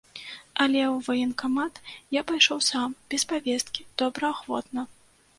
Але ў ваенкамат я пайшоў сам, без павесткі, добраахвотна.